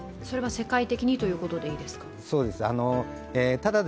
それは世界的にということでいいですか。